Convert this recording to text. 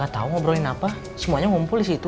tau ngobrolin apa semuanya ngumpul di situ